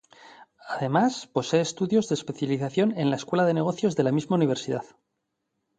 Además, posee estudios de especialización en la Escuela de Negocios de la misma universidad.